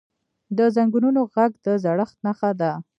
د زنګونونو ږغ د زړښت نښه ده.